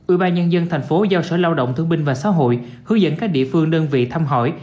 ủy ban nhân dân thành phố giao sở lao động thương binh và xã hội hướng dẫn các địa phương đơn vị thăm hỏi